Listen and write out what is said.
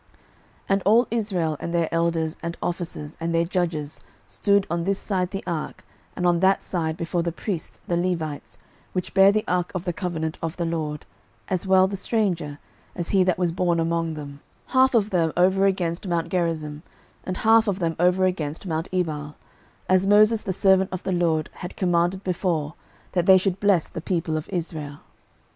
06:008:033 And all Israel, and their elders, and officers, and their judges, stood on this side the ark and on that side before the priests the Levites, which bare the ark of the covenant of the LORD, as well the stranger, as he that was born among them; half of them over against mount Gerizim, and half of them over against mount Ebal; as Moses the servant of the LORD had commanded before, that they should bless the people of Israel.